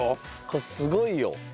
これすごいよ。